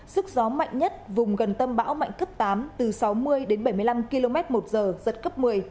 sức gió mạnh nhất vùng gần tâm bão mạnh cấp tám từ sáu mươi đến bảy mươi năm km một giờ giật cấp một mươi